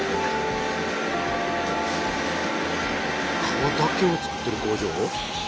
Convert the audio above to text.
皮だけを作ってる工場？